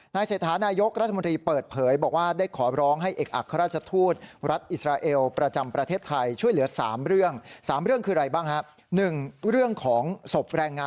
เศรษฐานายกรัฐมนตรีเปิดเผยบอกว่าได้ขอร้องให้เอกอัครราชทูตรัฐอิสราเอลประจำประเทศไทยช่วยเหลือ๓เรื่อง